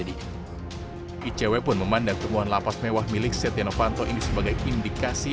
icw pun memandang temuan lapas mewah milik setia novanto ini sebagai indikasi